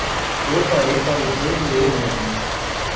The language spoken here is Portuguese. Eu parei para o todo eu mesmo.